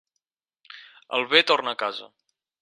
El bé torna a casa.